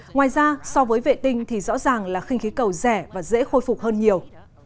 ngoài ra so với vệ tinh thì rõ ràng là khinh khí cầu rẻ và dễ khôi phục hơn nhiều